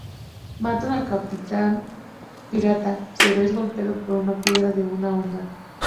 Mata al capitán pirata, pero es golpeado por una piedra de una honda.